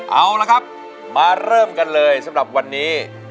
เอาละครับมาเริ่มกันเลยสำหรับวันนี้